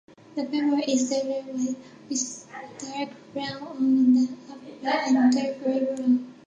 The female is duller with dark brown on the upperparts and dark grey below.